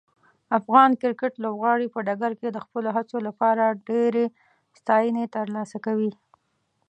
افغان کرکټ لوبغاړي په ډګر کې د خپلو هڅو لپاره ډیرې ستاینې ترلاسه کوي.